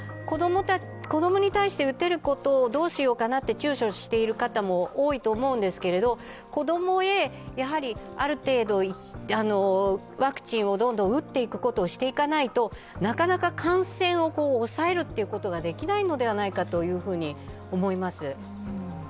子供に対して打てることをどうしようかなとちゅうちょしてる方も多いと思うんですけれど子供へある程度ワクチンをどんどん打っていくことをしていかないとなかなか感染を抑えることができないのではないかと思います。